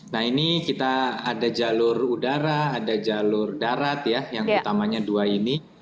nah ini kita ada jalur udara ada jalur darat ya yang utamanya dua ini